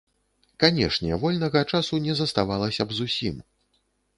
Канешне, вольнага часу не заставалася б зусім.